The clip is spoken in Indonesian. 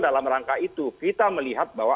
dalam rangka itu kita melihat bahwa